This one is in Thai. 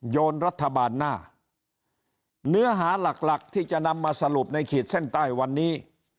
โยนรัฐบาลหน้าเนื้อหาหลักหลักที่จะนำมาสรุปในขีดเส้นใต้วันนี้